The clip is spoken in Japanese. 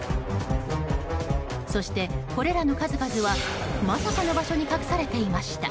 そして、これらの数々はまさかの場所に隠されていました。